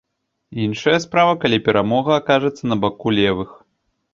Іншая справа, калі перамога акажацца на баку левых.